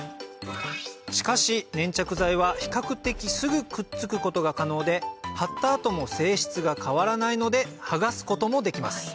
しかし粘着剤は比較的すぐくっつくことが可能で貼った後も性質が変わらないので剥がすこともできます